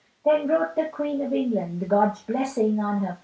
Then wrote the Queen of England, God's blessing on her pen.